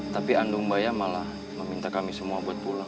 tapi andung baya malah meminta kami semua buat pulang